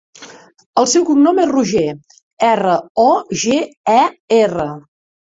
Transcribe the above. El seu cognom és Roger: erra, o, ge, e, erra.